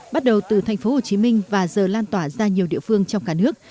bắt đầu từ thành phố hồ chí minh và giờ lan tỏa ra nhiều địa phương trong cả nước